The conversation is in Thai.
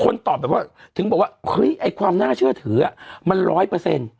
ตอบแบบว่าถึงบอกว่าเฮ้ยไอ้ความน่าเชื่อถือมันร้อยเปอร์เซ็นต์